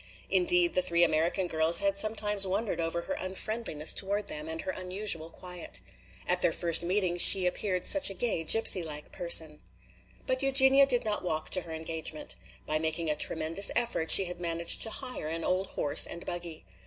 Indeed, the three American girls had sometimes wondered over her unfriendliness toward them and her unusual quiet. At their first meeting she had appeared such a gay, gypsy like person. But Eugenia did not walk to her engagement. By making a tremendous effort she had managed to hire an old horse and buggy.